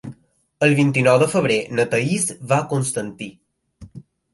El vint-i-nou de febrer na Thaís va a Constantí.